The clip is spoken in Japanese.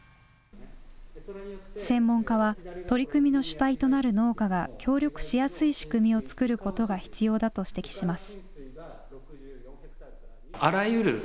専門家は取り組みの主体となる農家が協力しやすい仕組みを作ることが必要だと指摘します。